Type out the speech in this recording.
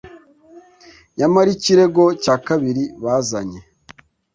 Nyamara ikirego cya kabiri bazanye: